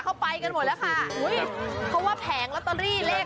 เอาบ้าทแห่งว้าวหมดแล้ว